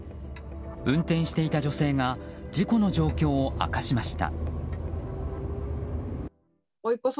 運転していた女性が事故の状況を明かしました。